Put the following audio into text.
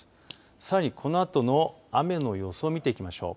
さらに、このあとの雨の予想を見ていきましょう。